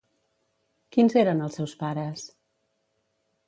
Quins eren els seus pares?